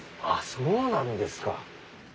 そうなんですか。